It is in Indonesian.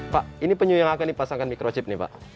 pak ini penyu yang akan dipasangkan microchip nih pak